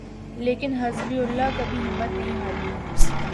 لیکن Hezbollah کبھی ہمت نہیں ہاری۔